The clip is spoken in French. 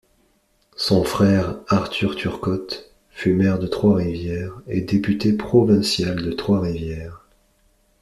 Son frère Arthur Turcotte fut maire de Trois-Rivières et député provincial de Trois-Rivières.